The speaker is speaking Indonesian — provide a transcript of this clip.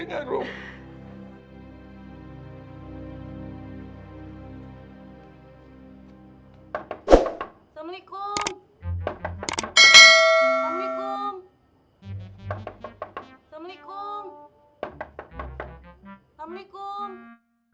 assalamualaikum assalamualaikum waalaikumsalam waalaikumsalam